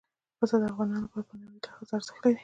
پسه د افغانانو لپاره په معنوي لحاظ ارزښت لري.